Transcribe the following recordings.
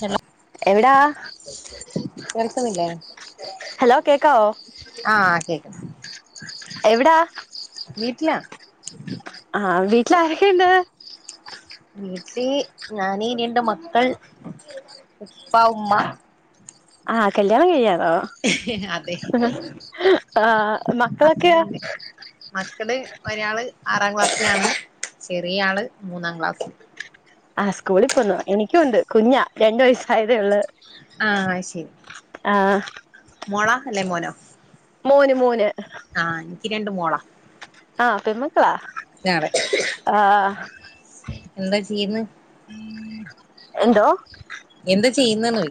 Hello എവടാ കേൾക്കുന്നില്ലേ hello കേക്കാവോ ആ കേക്ക്ന്ന് എവ്ടാ വീട്ടിലാ ആ വീട്ടിൽ ആരൊക്കെ ഇണ്ട് വീട്ടിൽ ഞാനി രണ്ട് മക്കൾ ഉപ്പ ഉമ്മ ആ കല്യാണം കഴിഞ്ഞാ ആ അതെ ആ മക്കളൊക്കെയാ ഹസ്ബൻഡ് മക്കള് ഒരാള് ആറാം ക്ലാസിലാണ് ചെറിയ ആൾ മൂന്നാം ക്ലാസിൽ ആ സ്കൂളിൽ പോവുന്നു എനിക്കും ഉണ്ട് കുഞ്ഞാ രണ്ട് വയസ്സായതേ ഒള്ള് ആ ശെരി മോളാ അല്ലെ മോനോ മോന് മോന് ആ ഇൻക്ക് രണ്ട് മോളാ ആ പെമ്മ് ക്കളാ അതെ ആ എന്താ ചെയ്യ്ന്ന് എന്തോ എന്താ ചെയ്യ്ന്ന് നോ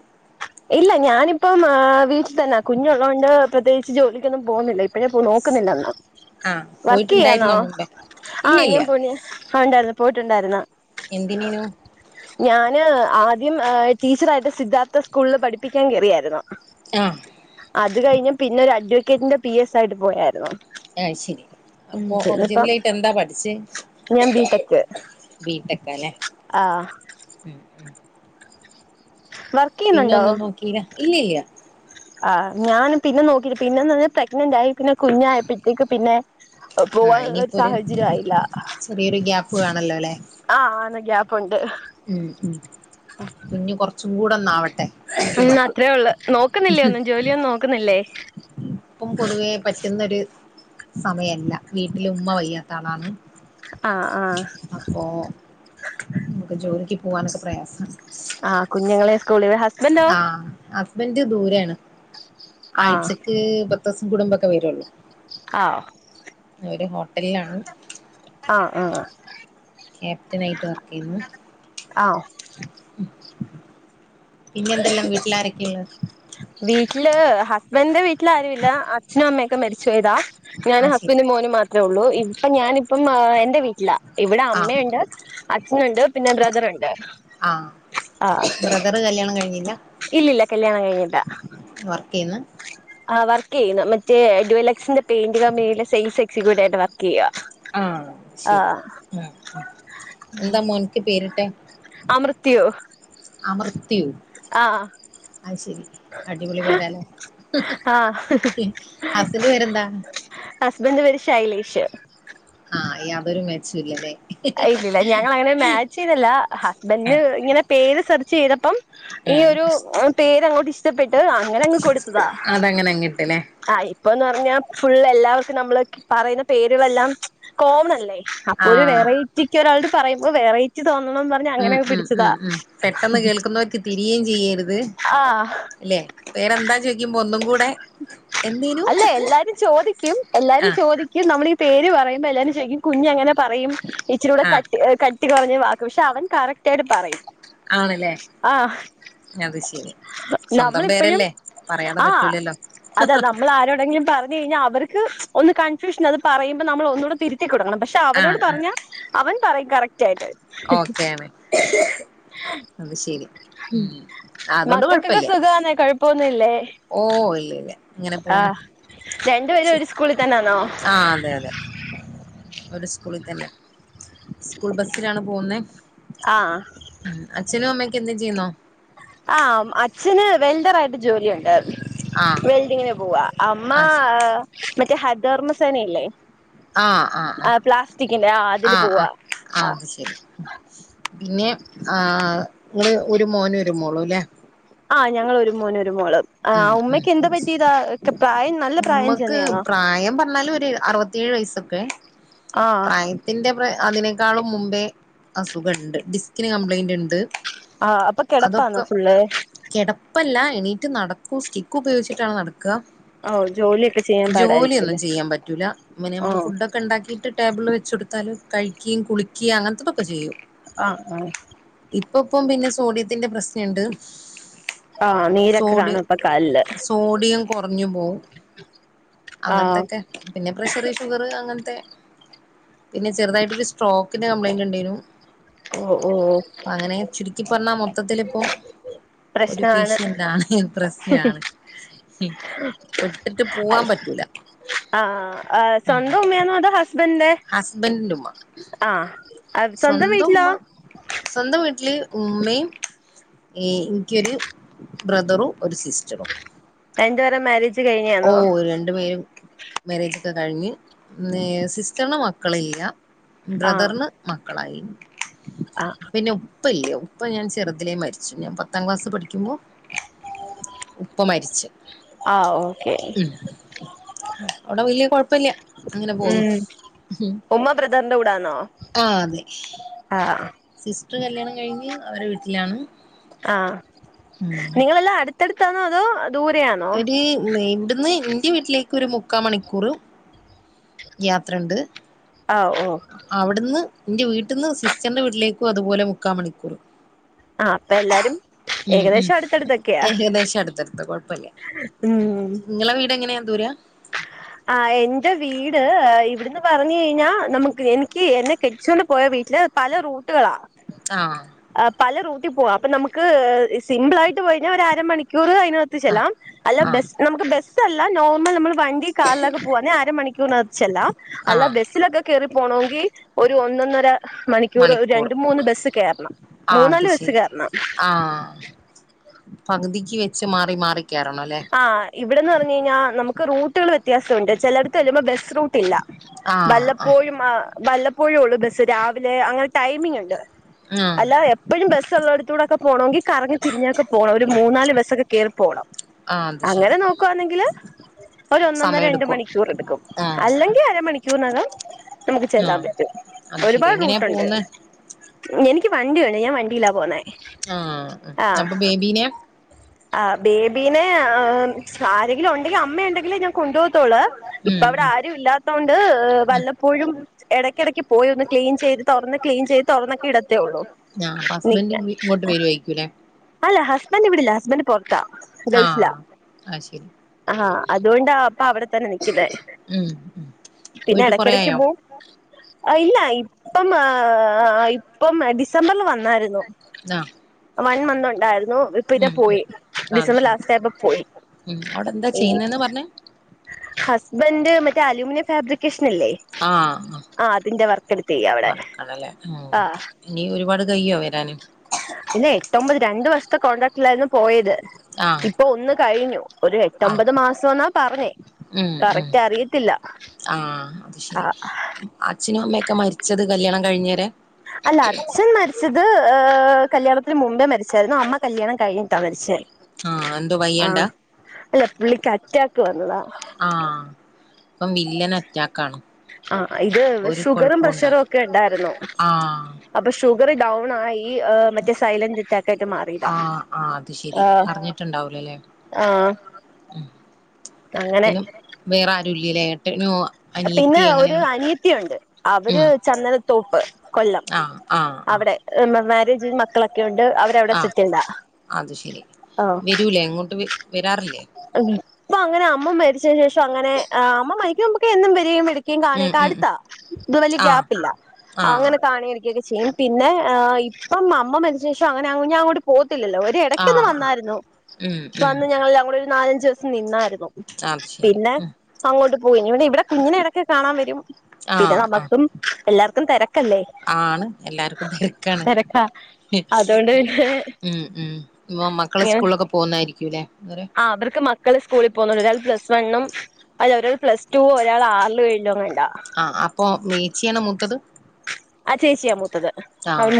ഇല്ല ഞാനിപ്പം ഏ വീട്ടി തന്നാ കുഞ്ഞ് ഉള്ളൊണ്ട് പ്രത്യേകിച്ച് ജോലിക്കൊന്നും പോവ്ന്നില്ല ഇപ്പഴെ പോ നോക്ക്ന്നില്ലെന്നാ ആഹ് വർക്ക് ചെയ്യാന്നോ പോയിട്ടുണ്ടായിരുന്നോ മുമ്പേ ആ ഇല്ല ഇല്ല ഞാൻ പോയിര്ന്നു ഞാ ആ ഉണ്ടായിര്ന്നു പോയിട്ട്ണ്ടായ്ര്ന്നാ എന്തിനെയ്നു ഞാൻ ആദ്യം ഏ ടീച്ചറായിട്ട് സിദ്ധാർത്ഥ സ്കൂളിൽ പഠിപ്പിക്കാൻ കെറിയായിരുന്നു ആ അത് കഴിഞ്ഞ് പിന്നെ ഒര് അഡ്വക്കറ്റിന്റെ പി എസ് ആയിട്ട് പോയായിരുന്നു അയ് ശരി ഉം അപ്പൊ പിന്നിപ്പം ഒർജിൻലായിട്ട് എന്താ പഠിച്ചെ ഞാൻ ബീടെക്കാ ലെ ആ പിന്നെ ചെയ്യുന്നുണ്ടോ ഒന്നും നോക്കീലാ ഇല്ലയില്ല ആ ഞാൻ പിന്നെ നോക്കില്ല പിന്നെന്ന് പർണാ പ്രെഗ്നെന്റായി പിന്നെ കുഞ്ഞായപ്പെൾത്തേക്കും പിന്നെ ആഹ് പോവാനുള്ള ഒരു ഇനിയിപ്പോ സാഹചര്യം ആയില്ല ചെറിയൊരു ഗ്യാപ്പ് വേണല്ലോ അല്ലെ ആ ആന്നെ ഗ്യാ ഉം ഉം കുഞ്ഞ് കൊറച്ച് കൂടന്നാവട്ടെ ഉം അത്രയേ ഉള്ളു നോക്കുന്നില്ലേ ഒന്നും ജോലിയൊന്നും നോക്കുന്നില്ലേ ഇപ്പം പൊതുവേ പറ്റുന്നൊരു സമയല്ല വീട്ടില ഉമ്മ വയ്യാത്ത ആളാണ്. ആഹ ആഹ അപ്പോ പോകാനൊക്കെ പ്രയാസാണ് ആ കുഞ്ഞുങ്ങളെ സ്കൂളി വി ഹസ്ബൻറോ ബന്റ് ദൂരെയാണ് ആഹ് ആയിച്ചക്ക്‌ പത്തൂസുംകൂടുമ്പൊക്കെ വരുള്ളൂ ആഹ ഒരു ഹോട്ടലിലാണ് ആഹ ആഹ ക്യാപ്റ്റൻ ആയിട്ട് വർക്ക് ചെയ്യുന്നു ആഹ പിന്നെന്തെല്ലാം വീട്ടിലാരൊക്കെയുണ്ട് വീട്ടില് ഹസ്ബന്ഡന്റെ വീട്ടിൽ ആരുല്ല അച്ഛനും അമ്മയൊക്കെ മരിച്ചു ചെയ്താ ഞാനും ആഹ് ശരി ഹസ്ബന്റും മോനും മാത്രേള്ളൂ ഇപ്പൊ ഞാന് ഇപ്പം എന്റെ വീട്ടിലാ ഇവിടെ ആഹ് അമ്മയുണ്ട് അച്ച നുണ്ട് പിന്നെ ബ്രദറ്ണ്ട് ആ ബ്രദറ് കല്യാണം കഴിഞ്ഞില്ല ഇല്ല കല്യാണം കഴിഞ്ഞില്ലാ വർക്ക് ചെയ്യുന്ന് ആ വർക്ക് ചെയ്യുന്നു മറ്റേ ഡവലക്സിന്റെ പെയിന്റ് കമ്പനിയിലെ സെയിൽസ് എ ക്സിക്യൂട്ടീവ് ആയിട്ട് വർക്കയ്യാ ആ ശരി ഉം ഉം എന്താ മോൻക്ക് പേര്ട്ടെ അമൃത്യോ ത്തി ആ അയ്ശെരി അടിപൊളി പേരാലോ ആ ഹസ്സിൻ്റെ പേരെന്താ സിൻ്റെ പേര് ശൈലേഷ് ആ യാതൊരു മേച്ചൂല്ല ലെ അ ഇല്ലല്ല ഞങ്ങളങ്ങനെ മാച്ചീതല്ല ഹസ്ബൻ്റ്ന് ആഹ് ഇങ്ങനെ പേര് സർ ചെയ്തപ്പം ഈ ആഹ് ഒരു പേരങ്ങോട്ടി ഷ്ടപ്പെട്ട് ട്ട് അങ്ങനെ അങ്ങ് കൊടുത്തതാ അതങ്ങനെ അങ്ങിട്ട്ല്ലേ ആ ഇപ്പൊന്ന് അർഞ്ഞാ ഫുള്ളെ ല്ലാവർക്കും നമ്മള് പറയ്ന്ന പേരുവെല്ലാം കോമണല്ലേ അപ്പൊ ഒരു ആഹ് വെറൈറ്റിക്ക് ഒരാൾ പറയുമ്പോ വെറൈറ്റി തോന്നണംന്ന് പറഞ്ഞ് ഉം അങ്ങനെ ഉം പിടിച്ചതാ ഉം ഉം പെട്ടെന്ന് കേൾക്കുന്നവർക്ക് തിരിയേം ചെയ്യര്ത് ആഹ് പേര് എന്താ ചോയ് അല്ല എല്ലാരും ചോദിക്കും എല്ലാരും ആഹ് ചോദിക്കും നമ്മളീ പേര് പറയ് മ്പോ എല്ലാരും [unintelligible] കുഞ്ഞെങ്ങനെ പറയും ഇച്ചിരൂടെ ആഹ് കട്ടി അ കട്ടി ട്ടി കൊറഞ്ഞ വാക്ക് പക്ഷെ അവൻ കറക്റ്റ് ആയിട്ട് പറയും ആണല്ലേ ആഹ് അത് ശരി സ്വന്തം പേരല്ലേ പറയാതെ അ പറ്റ് അതെ നമ്മൾ ആരോടെങ്കിലും പറഞ്ഞി പിന്നെ അവർക്ക് ഒന്ന് കൺഫ്യൂഷനാ അത് പറയുമ്പോ നമ്മൾ ഒന്നൂടെ തിരിത്ത് ത്തി കൊടുക്കണം പക്ഷെ അവനോട് പറഞ്ഞ അവൻ പറയും കറക് ഓക്കേണ് അത് ശെരി ഉം ആ അതോണ്ട് കൊഴപ്പല്ല്യ ന്നല്ലേ ഓ ഇല്ല ഇല്ല ഇങ്ങനെ പോന്നു രണ്ടുപേരും ഒരു സ്കൂളിൽ തന്നാണോ ആ അതെ അതെ ഒരു സ്കൂളിൽ തന്നെ സ്കൂൾ ബസിലാണ് പോകുന്നേ ആഹ് മ് അച്ഛനും അമ്മക്കെ എന്തെ ചെയ്യുന്നോ ആഹ് അച്ഛന് വെൽഡറായിട്ട് ജോലിയൊണ്ട് ആ വെൽഡിങ്ങിന് പോവാ അമ്മ ആ ശ ഹരിതകർമ സേന ഇല്ലേ ആ ആ ആഹ് ആ അതില് ആ പോവാ ആ അത് ശരി പിന്നെ ആ നിങ്ങള് ഒരു മോനും ഒരു മോളും ല്ലെ? ആ ഞങ്ങൾ ഒരു മോന് ഒരു മോൾ ആ ഉം ഉം ഉമ്മക്ക് എന്താ അത് ശരി. പറ്റിയതാ പ്രായം നല്ല പ്രായം ചെന്നയാന്നോ ഏഴ് വയസ്സൊക്കെ പ്രായത്തിന്റെ പ്ര അതിനേക്കാളും മുമ്പേ അസുഖണ്ട് ഡിസ്കിന് കംപ്ലൈയിന്റ് ഉണ്ട് ആ അപ്പൊ കിടപ്പാണോ അതൊക്കെ ഫുള്ള് കിടപ്പല്ല എണീറ്റ് നട സ്റ്റിക്ക് ഉപയോഗിച്ചിട്ടാണ് നടക്കുന്നത് ഓഹ് ജോലിയൊക്കെ ചെയ്യാൻ ടക്ക ജോലിയൊന്നും പാടായിരിക്കുംല്ലേ ചെയ്യാൻ പറ്റൂല ഇങ്ങനെ നമ്മള് ആഹ് ഫുഡ്‌ ഒക്കെ ഉണ്ടാക്കിട്ട് ടേബിളിൽ വെച്ചെടുത്താൽ കഴിക്കുകയും കുളിക്കുകയും അങ്ങനത്തതൊക്കെ ചെയ്യും ആ ആ ഇപ്പം ഇപ്പൊ പിന്നെ സോഡിയത്തിന്റെ പ്രശ്നണ്ട് ആ നീരൊക്കെ കാണ സോഡി പ്പ സോഡിയം കുറഞ്ഞു പോവും ആഹ് അങ്ങനത്തൊക്കെ പിന്നെ ചെറിയ ഷുഗർ അങ്ങനത്തെ പിന്നെ ചെറുതായിട്ടൊരു സ്ട്രോക്കിന്റെ കംപ്ലൈന്റ് ഉണ്ടയ്നു ഓ ഓ ഓ മൊത്തത്തിലിപ്പോ ഒരു പേഷ്യന്റാണ് ഇൻട്രസ് [unintelligible] വിട്ടിട്ട് പോവാൻ പറ്റൂല ആ സ്വന്തം ഉമ്മയന്നോ അതോ ഹസ്ബൻഡന്റെ ഹസ്ബൻഡിന്റെ ഉമ്മ ആ സ്വന്തം വീട്ടിലോ സ്വന്തം വീട്ടില് ഉമ്മയും ഇനിക്കൊരു ബ്രദറും ഒരു സിസ്റ്റർ റ്റരും രണ്ടുപേരെ മാര്യേജ് ഓ രണ്ടു പേരും മേരേജ് ഒക്കെ കഴിഞ്ഞ് സിസ്റ്ററിന് മക്കള് ഇല്ല ആഹ് ബ്രദറിന് മക്ക മക്കളായി ആഹ് പിന്നോ ഉപ്പ ഇല്ലേ ഉപ്പ ഞാൻ ചെറുതിലേ മരിച്ചു ഞാൻ പത്താം ക്ലാസ്സ് പഠിക്കുമ്പോൾ ഉപ്പ മരിച്ച ആ ഓ ഉ അവിടെ വലിയ കുഴപ്പ പല്ലെ ഉം ഉമ്മ ബ്രദറിന്റെ കൂടാണോ ആ അതെ സിസ്റ്റർ കല്യാണം കഴിഞ്ഞ് അവരെ വീട്ടിലാണ് ആഹ്. നിങ്ങളെല്ലാം അട് എടുത്താണോ അതോ ദൂരെയാണോ ഒര് നെ ഇവിടുന്ന് എന്റെ വീട്ടിലേക്ക് ഒരു മുക്കാ മണിക്കൂർ. യാത്രുണ്ട്. ആഓ ഓ എന്റെ വീട്ടിന്ന് സിസ്റ്ററിന്റെ വീട്ടിലേക്കും അതുപോലെ മുക്കാ മണിക്കൂർ. ആഹ് അപ്പൊ എല്ലാരും ഉം ഉം ഏകദേശം അടുത്തടുത്തൊക്കെയാ ഏകദേശം അടുത്തടുത്ത് കൊഴപ്പല്ല. ഉം നിങ്ങളെ വീട് എങ്ങനെയാ? ദൂര ആ് എന്റെ വീട് ഇവിടുന്ന് പറഞ്ഞു കഴിഞ്ഞാ നമുക്ക് എനിക്ക് എന്നെ കെട്ടിച്ചൊണ്ട് പോയ വീട്ടില് പല റൂട്ടുകളാ ആഹ്. പല റൂട്ടി പോവാം. അപ്പൊ നമുക്ക് സിമ്പിൾ ആയിട്ട് കഴിഞ്ഞാൽ ഒര് അരമണിക്കൂർ നകത്ത് ആഹ് അല്ല ആഹ് ബെസ് നമുക്ക് ബെസ് ല്ല നോർമൽ നമ്മൾ കാറിലൊക്കെ പോകന്ന അരമണിക്കൂനകത്ത്ചെല്ലാം. അല്ല ആഹ് ബസ്സിലൊക്കെ കേറി പോണോങ്കി ഒരു ഒന്നൊന്നര മണിക്കൂർ രണ്ട് മൂന്ന് ബസ്സ് കേറണം. ആഹ് അത് മൂന്നാല് ബസ് ശരി കേറണം. ആഹ് പകുതിക്ക് വെച്ച് മാറി മാറി കയറണം അല്ലെ ആഹ് ഇവിടെന്ന് പറഞ്ഞ് കഴിഞ്ഞാ നമു റൂട്ടുകള് വ്യത്യാസംണ്ട് ചെലടത്ത് ചല്ലുമ്പോ ബസ്റൂ ല്ല ആഹ് ആഹ് വല്ലപ്പോഴും ആ വല്ലപ്പോഴേ ഒള്ള് ബസ്സ് രാവിലെ അങ്ങനെ ടൈമിങ് ഒണ്ട്. ആഹ് അല്ല എപ്പോഴും ബസ് ഉള്ളടത്തൂടൊക്കെ പോണോങ്കി കറങ്ങി തിരിഞ്ഞൊക്കെ പോണം. ഒരു മൂന്നാല് ബസ്സൊക്കെ കേറി പോണം. ആഹ് അത് അങ്ങനെ ശരി നോക്കുവാന്നെങ്കില് ഒരു ഒന്നൊന്നര സമയം രണ്ട് എടുക്കോ മണിക്കൂർ എടുക്കും ആഹ് അല്ലെങ്കി അരമണി ക്കൂനകം നമുക്ക് ചെല്ലാൻ ആഹ് പറ്റും. അത് ശരി ഒരുപാട് എങ്ങനെയാ റൂട്ടോണ്ട്. പോവുന്നെ എനി വണ്ടി ഒണ്ട്. ഞാ വ ആ അപ്പൊ ബേബീനെ ആ ബേ പിന്നെ അ ആരെങ്കിലും ഒ വീട്ടിൽ അമ്മയുണ്ടങ്കി ഞ കൊണ്ടുപോവത്തൊളു ഇപ്പ ഉം അവിടെ ഉം ആരും ഇല്ലാത്തോണ്ട് ഉം വല്ലപ്പോഴും എടക്കെടക്ക് പോയി ഒന്ന് ക്ലീൻ ചെയ്ത് തുറന്ന് ക്ലീൻ ചെയ്ത് തുറന്നൊക്കിടും ഒള്ളൂ ആഹ് അപ്പൊ ഹസ്ബൻഡ് ഇങ്ങോട്ട് വരുവായിരിക്കൂല്ലേ അല്ല ഹസ്- വണ്ടി വിടില്ല ഹസ്ബൻ്റ് പൊറത്താ ഗൾഫിലാ ആഹ് അത് ശരി ആ അതുകൊണ്ടാ അപ്പൊ അവിടെ തന്നെ നിക്കുന്നേ ഉം ഉം പിന്നെ പോയിട്ട് കൊറേ ഇടക്കിടക്ക് ആയോ പോകും ഇല്ല ഇപ്പം ഇപ്പം ഡിസംബറിൽ വന്നായിരുന്നു ആ വൺ മന്ത് ഉണ്ടായിരുന്നു നോ [inaudible] പോയി അത് ഡിസംബർ ശരി ലാസ്റ്റ് ആയപ്പോ പോയി ഉം അവിടെ എന്താ ഇനി ചെയ്യുന്നേന്ന് പറഞ്ഞേ ഹസ്ബൻറ് മറ്റേ അലൂമിനിയം ഫാബ്രിക്കേഷൻ ഇല്ലേ ആഹ് ആഹ് ആ അതിന്റെ വർക്ക് എടുത്ത് ചെയ്യ അവിടെ വർക്കാണല്ലേ ആഹ് ആ ഓക്കെ ഇനി ഒരുപാട് കയ്യോ വരാന് വീട്ടിലായിരുന്നു പോയത് ആഹ് ഇപ്പൊ ഒന്ന് കഴിഞ്ഞു ഒരു ആഹ് എട്ടൊമ്പത് മാസം ന്നാ പറഞ്ഞേ ഉം ഉം കറക്റ്റ് അറിയത്തില്ല ആഹ് അത് ആ ശരി അച്ഛനും അമ്മയൊക്കെ മരിച്ചത് കല്യാണം കഴിഞ്ഞേരെ അല്ല അച്ഛൻ മരിച്ചത് അത് കല്യാണ അ മുമ്പേ മരിച്ചായിരുന്നു അമ്മ കല്യാണം കഴിഞ്ഞിട്ടാ മരിച്ചേ ആഹ് എന്തോ ആ വയ്യാണ്ടാ അല്ല പുള്ളിക്ക് അറ്റാക്ക് വന്നതാ ആഹ് ഇപ്പം വില്ലൻ അറ്റാക്കാണ് ആ ഇത് ഒരു ഷുഗറും കൊഴപ്പോണ്ടാ പ്രഷറും ഒക്കെ ഉണ്ടായിരുന്നു ആഹ് ഷുഗറ് ഡൗണായി ഈ ഏ മറ്റേ സൈലൻ്റ് അറ്റാക്കായിട്ട് മാറിയതാ ആഹ് ആഹ് അത് ശെരി ആ അറിഞ്ഞിട്ടുണ്ടാവൂലല്ലേ ആ ഉം അങ്ങനെ പിന്നെ വേറെ ഉല്ലിലായിട്ട് [inaudible] പിന്നെ ഒരു അനിയത്തി ഉണ്ട് അവര് ഉം ചന്ദനത്തോപ്പ് കൊല്ലം ആഹ് ആഹ് ആഹ് അവിടെ മക്കള് ആഹ് അത് ശരി വരൂലേ എങ്ങോട്ട് വരാറില്ലേ അപ്പൊ അങ്ങനെ അമ്മ മരിച്ച ശേഷം അങ്ങനെ അമ്മ മക്കുമ്പ ക്കെ എന്നും വരേം വിളി ഉം ഉം ഉം അടുത്താ ഇത് വല്യ ആഹ് ഗ്യാപ്പ് ഇല്ല ആഹ് അങ്ങനെ കാണൊക്കെ ചെയ്യും പിന്നെ ഇപ്പം അമ്മ മരിച്ചതിന് ശേഷം അങ്ങനങ്ങാ അങ്ങോട്ട് പോ ഓര് ഇടക്കന്ന് ആഹ് വന്നായിരുന്നു ഉം പ ഉം വന്ന് ഞങ്ങൾ അങ്ങോ നാലഞ്ച് ദിവസം നിന്നായിരുന്നു അത് ശെരി പിന്നെ ഉം അങ്ങോട്ട് പോയി ഇ ഇവിടെ കുങ്ങനെ ഇടക്ക് കാണാൻ വരും പിന്നെ ആഹ് ആഹ് നമ്മുക്കും എല്ലാര തെര ആണ് എല്ലാർക്കും തിരക്കാണ് തിരക്കാ അതുകൊണ്ട് പിന്നെ ഉം ഉം ഇപ്പൊ മക്കള് സ്കൂളൊക്കെ പോകുന്നായിരിക്കുംല്ലേ ആ് അവർക്ക് മക്ക മക്കൾ സ്കൂളിൽ പോകുന്നുണ്ട് ഒരാൾ പ്ലസ് വണ്ണും അല്ല ഒരാൾ പ്ലസ്ടുവോ ഒരാൾ ആറില് എഴിലങ്ങ ആ അപ്പൊ മേച്ചിയാണ് മുത്തത് അ ചേച്ച്യാമൂ ആഹ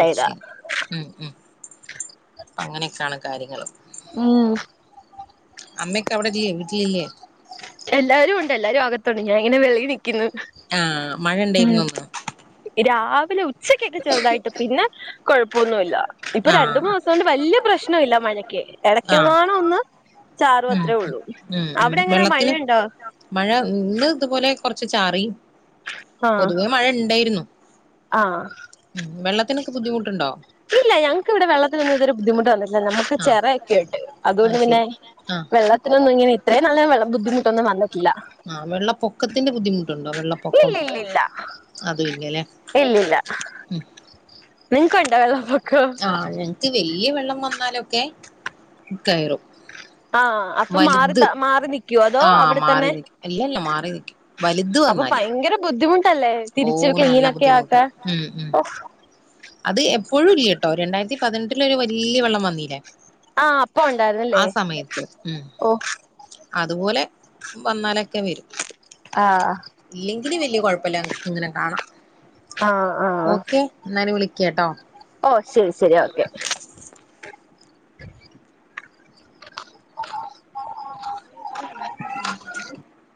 അത് ശരി ഉം ഉം അങ്ങനെയൊക്കെയാണ് കാര്യങ്ങള് ഉം അമ്മക്ക് അവിടെ ഇല്ലേ വീട്ടിലല്ലേ എല്ലാരും ഉണ്ട് എല്ലാരും അകത്തുണ്ട് ഞാൻങ്ങനെ വെളയിനിക്കുന്നു ആഹ മഴ ഇണ്ടായിരുന്നോ? വിലെ ഉച്ചക്കൊക്കെ ചെറുതായിട്ട് പിന്നെ കുഴപ്പ പൊന്നൂല്ല ഇപ്പൊ രണ്ടു ആഹ് മാസം കൊണ്ട് വലിയ പ്രശ്നം ല്ലാ [unintelligible] ക്കെ ആഹ് ഇടക്കങ്ങാനും ഒന്ന് ഉം ചാറുവത്രേ ഉള്ളൂ ഉം ഉം അവിടെ എങ്ങനെ വെള്ളത്തിന് മഴയുണ്ടോ? കുറച്ച് ചാറി പൊതുവേ മഴ ണ്ടായിരുന്നു ആഹ വെള്ളത്തിനൊക്കെ ബുദ്ധിമുട്ടുണ്ടോ ഇല്ല ഞങ്ങക്ക് ഇവിടെ വെള്ളത്തിനൊന്നും ഇതവരെ ബുദ്ധിമുട്ട് വന്നിട്ടില്ല നമുക്ക് ആഹ് ചിറയൊക്കെ ഉണ്ട് അതുകൊണ്ട് അത് പിന്നെ ശരി ആഹ് വെള്ളത്തിനൊന്നും ഇങ്ങനെ ഇത്ര നല്ല വെള്ള ബുദ്ധിമുട്ടുന്ന നല്ല ക്കില്ല ആ വെള്ളപ്പൊക്കത്തിന്റെ ബുദ്ധിമുട്ട് ഉണ്ടോ വെള്ളപ്പൊക്കം, ഇല്ല ഇല്ല ഇല്ല അതും ഇല്ല അല്ലേ നിങ്ങക്കൊണ്ടോ വെള്ള പൊ ആ, ഞങ്ങക്ക് വല്യ വലിയ വെള്ളം വന്നാലൊക്കെ കയറും ആ, അപ്പൊ മാറി വലുത് താ മാറി നിക്കോ, അതോ ആഹ് അവിടെ മാറി തന്നെ നിക്കും ഇല്ലല്ല മാറി നിക്കും വലുത് അപ്പൊ വന്നാല് ഭയങ്കര ബുദ്ധിമുട്ട് ബുദ്ധിമുട്ടല്ലേ ഓ തിരിച്ച് നല്ല ക്ലീനൊക്കെ ബുദ്ധിമുട്ടാ ആക്കാൻ ഉം ഉം അത് എപ്പോഴും ഇല്ലട്ടോ രണ്ടായിരത്തി പതിനെട്ടില ഒരു വലയ വെള്ളം വന്നില്ലേ ആ, അപ്പ ഉണ്ടായിരുന്നല്ലേ ഉം ഓ അതുപോലെ വന്നാലൊക്കെ വരും ആഹ് ഇല്ലെങ്കില് വലയയ കൊഴപ്പില്ല എന്തിനും കാണാം ആ, ആ കേട്ടോ ഓ ശരി, ശരി ഓക്കെ [unintelligible] [unintelligible]